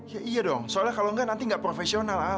ya iya dong soalnya kalau enggak nanti nggak profesional